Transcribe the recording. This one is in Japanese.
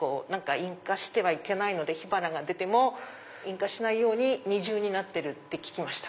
引火してはいけないので火花が出ても引火しないように二重になってるって聞きました。